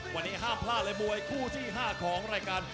วันนี้ห้ามพลาดเลยมวยคู่ที่๕ของรายการ